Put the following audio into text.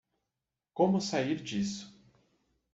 Como sair disso